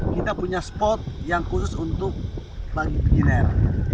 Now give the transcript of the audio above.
kita punya spot yang khusus untuk bagi kuliner